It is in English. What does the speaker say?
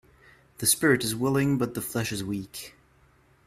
The spirit is willing but the flesh is weak.